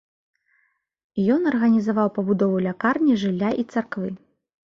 Ён арганізаваў пабудову лякарні, жылля і царквы.